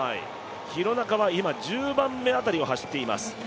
廣中は今１０番目辺りを走っています。